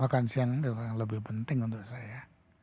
makan siang ini yang lebih penting untuk saya